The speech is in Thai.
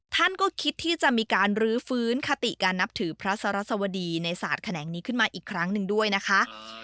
ท่านก็คิดที่จะมีการรื้อฟื้นคติการนับถือพระสรัสวดีในศาสตร์แขนงนี้ขึ้นมาอีกครั้งหนึ่งด้วยนะคะ